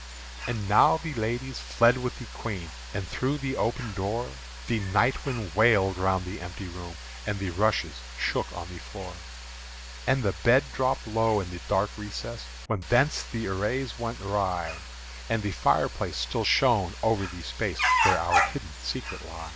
And now the ladies fled with the Queen; And through the open door The night wind wailed round the empty room And the rushes shook on the floor. And the bed drooped low in the dark recess Whence the arras was rent away; And the firelight still shone over the space Where our hidden secret lay.